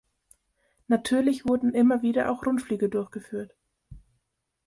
Natürlich wurden immer wieder auch Rundflüge durchgeführt.